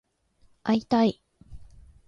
会いたい